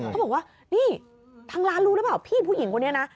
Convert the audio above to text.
เขาบอกว่านี่ทางร้านรู้หรือเปล่าพี่ผู้หญิงคนนี้นะ